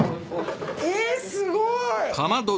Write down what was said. えっすごい！